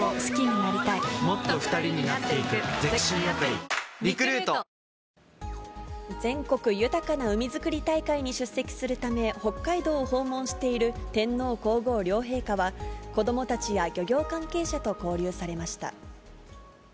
「サッポロクラフトスパイスソーダ」全国豊かな海づくり大会に出席するため、北海道を訪問している天皇皇后両陛下は、子どもたちや漁業関係者と交流されました。